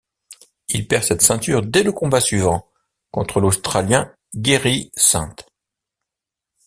Il perd cette ceinture dès le combat suivant contre l'australien Gairy St.